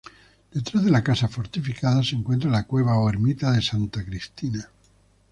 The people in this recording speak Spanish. Detrás de la casa fortificada se encuentra la cueva o ermita de Santa Cristina.